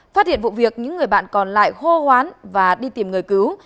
phát hiện vụ việc những người bạn còn lại hô hoán và đi tìm người cứu